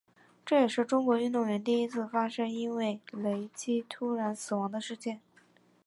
这也是中国运动员中第一次发生因为雷击突然死亡的事件。